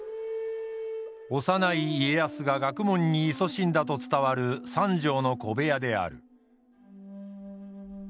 幼い家康が学問にいそしんだと伝わる三畳の小部屋である。